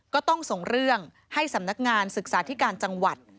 ก็ต้องส่งเรื่องให้สำนักงานศึกษาธิการจังหวัด